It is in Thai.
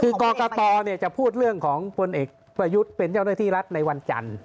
คือกรกตจะพูดเรื่องของพลเอกประยุทธ์เป็นเจ้าหน้าที่รัฐในวันจันทร์